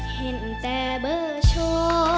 เห็นแต่เบอร์โชว์